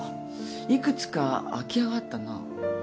幾つか空き家があったな